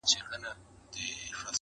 هوسا کړي مي لا نه وه د ژوند ستړي سفرونه-